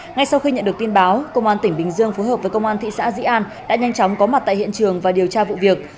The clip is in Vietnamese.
ngay sau khi nhận được tin báo công an tỉnh bình dương phối hợp với công an thị xã dĩ an đã nhanh chóng có mặt tại hiện trường và điều tra vụ việc